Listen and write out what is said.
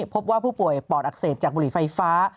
พบว่าผู้ป่วยปอดอักเสบจากบุหรี่ไฟฟ้า